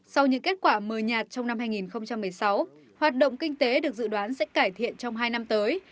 sau những kết quả mờ nhạt trong năm hai nghìn một mươi sáu hoạt động kinh tế được dự đoán sẽ cải thiện trong hai năm tới